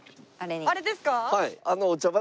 あれですか？